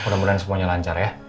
semoga semuanya lancar ya